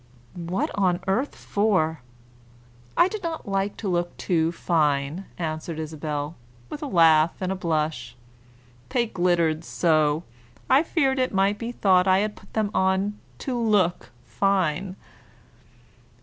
"What on earth for?" "I did not like to look too fine," answered Isabel, with a laugh and a blush. "They glittered so! I feared it might be thought I had put them on to look fine."